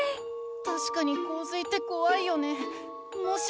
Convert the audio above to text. たしかにこう水ってこわいよね。